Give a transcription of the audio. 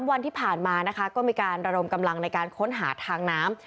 วันที่ผ่านมานะคะก็มีการระดมกำลังในการค้นหาทางน้ำ